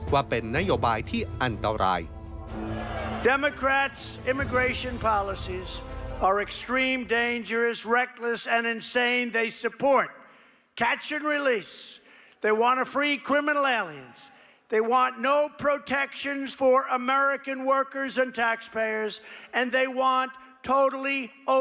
ว่าเป็นนโยบายที่อันตราย